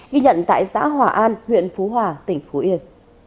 ghi nhận tại xã hòa an huyện phú hòa tỉnh phú yên